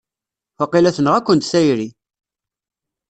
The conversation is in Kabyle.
Waqila tenɣa-kent tayri!